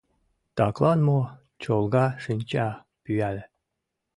Таклан мо Чолга шинча пӱяле.